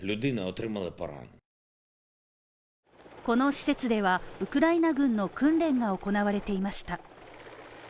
この施設では、ウクライナ軍の訓練が行われていました。